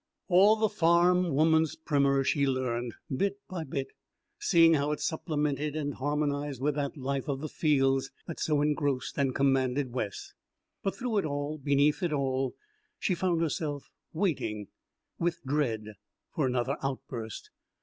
All the farm woman's primer she learned, bit by bit, seeing how it supplemented and harmonized with that life of the fields that so engrossed and commanded Wes. But through it all, beneath it all, she found herself waiting, with dread, for another outburst.